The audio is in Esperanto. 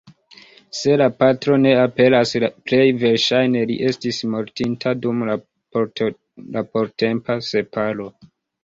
Se la patro ne aperas, plej verŝajne li estis mortinta dum la portempa separo.